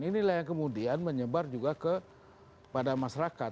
inilah yang kemudian menyebar juga kepada masyarakat